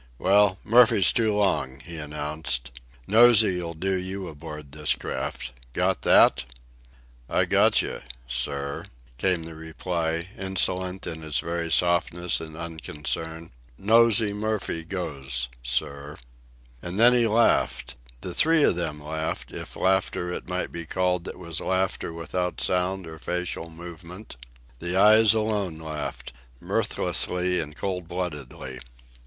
"Well, Murphy's too long," he announced. "Nosey'll do you aboard this craft. Got that?" "I gotcha ... sir," came the reply, insolent in its very softness and unconcern. "Nosey Murphy goes ... sir." And then he laughed—the three of them laughed, if laughter it might be called that was laughter without sound or facial movement. The eyes alone laughed, mirthlessly and cold bloodedly.